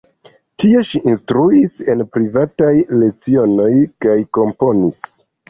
Tie ŝi instruis en privataj lecionoj kaj komponis.